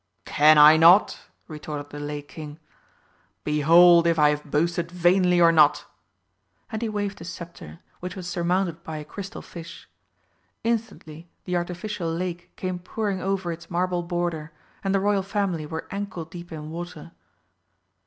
"Can I not?" retorted the Lake King. "Behold if I have boasted vainly or not!" And he waved his sceptre, which was surmounted by a crystal fish. Instantly the artificial lake came pouring over its marble border, and the Royal Family were ankle deep in water.